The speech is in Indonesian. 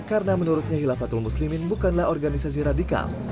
karena menurutnya hilafatul muslimin bukanlah organisasi radikal